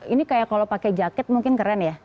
ini kayak kalau pakai jaket mungkin keren ya